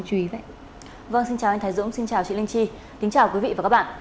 xin chào chị linh chi tính chào quý vị và các bạn